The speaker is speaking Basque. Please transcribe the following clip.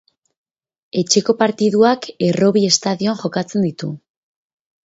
Etxeko partiduak Errobi estadioan jokatzen ditu.